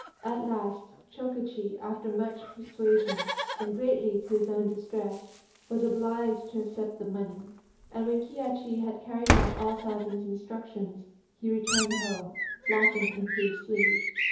At last, Chokichi, after much persuasion, and greatly to his own distress, was obliged to accept the money; and when Kihachi had carried out all Sazen's instructions, he returned home, laughing in his sleeve.